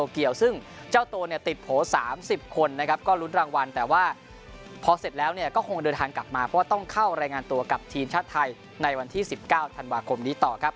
กับทีมชาติไทยในวันที่๑๙ธันวาคมนี้ต่อครับ